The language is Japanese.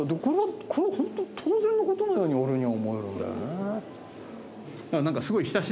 これはホントに当然の事のように俺には思えるんだよね。